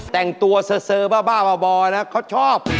แต่งตัวเซอร์บ้าบ่อนะเขาชอบ